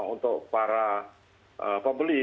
untuk para pembeli